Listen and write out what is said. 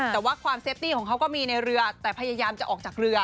แต่ว่าความเซฟตี้ของเขาก็มีในเรือแต่พยายามจะออกจากเรือ